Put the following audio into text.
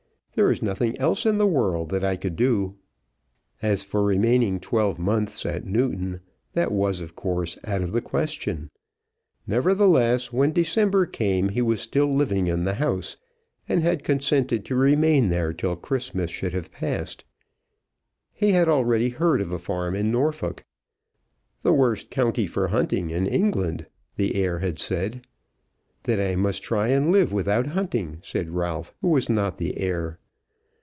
There is nothing else in the world that I could do." As for remaining twelve months at Newton, that was of course out of the question. Nevertheless, when December came he was still living in the house, and had consented to remain there till Christmas should have passed. He had already heard of a farm in Norfolk. "The worst county for hunting in England," the heir had said. "Then I must try and live without hunting," said Ralph who was not the heir.